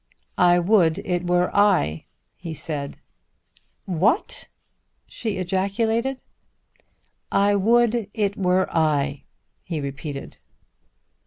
"I would it were I," he said. "What!" she ejaculated. "I would it were I," he repeated.